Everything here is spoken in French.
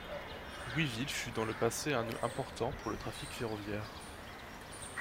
Louisville fut dans le passé un nœud important pour le trafic ferroviaire.